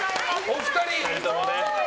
お二人。